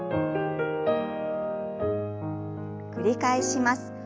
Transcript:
繰り返します。